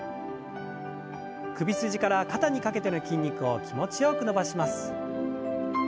首筋から肩にかけての筋肉を気持ちよく伸ばします。